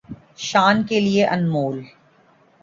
شان کے لئے انمول